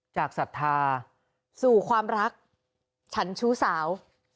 ศรัทธาสู่ความรักฉันชู้สาว